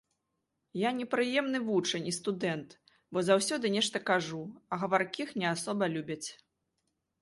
Я непрыемны вучань і студэнт, бо заўсёды нешта кажу, а гаваркіх не асабліва любяць.